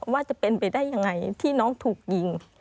ว่าจะเป็นไปได้ยังไงที่น้องถูกยิง